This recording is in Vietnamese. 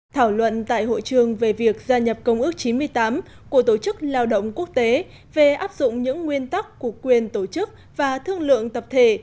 thảo luận tại hội trường về việc gia nhập công ước chín mươi tám của tổ chức lao động quốc tế về áp dụng những nguyên tắc của quyền tổ chức và thương lượng tập thể